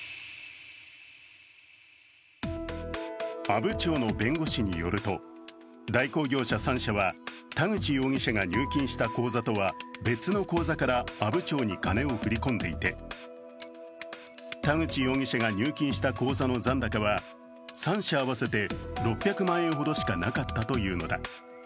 阿武町の弁護士によると代行業者３社は田口容疑者が入金した口座とは別の口座から阿武町に金を振り込んでいて田口容疑者が入金した口座の残高は３社合わせて６００万円ほどしかなかったというのだ。